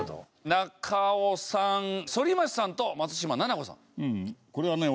中尾さん反町さんと松嶋菜々子さん。